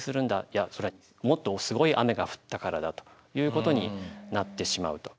いやそれはもっとすごい雨が降ったからだということになってしまうと。